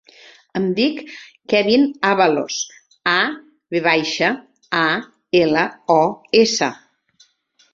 Em dic Kevin Avalos: a, ve baixa, a, ela, o, essa.